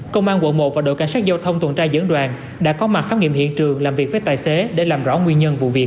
công an quận một và đội cảnh sát giao thông tuần tra dẫn đoàn đã có mặt khám nghiệm hiện trường làm việc với tài xế để làm rõ nguyên nhân vụ việc